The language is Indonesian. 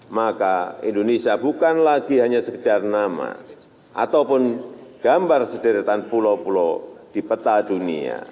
maka indonesia bukan lagi hanya sekedar nama ataupun gambar sederetan pulau pulau di peta dunia